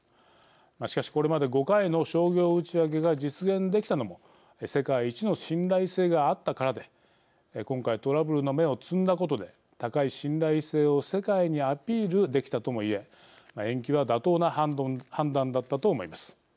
しかし、これまで５回の商業打ち上げが実現できたのも世界一の信頼性があったからで今回トラブルの芽を摘んだことで高い信頼性を世界にアピールできたとも言え延期は妥当な判断だったと思います。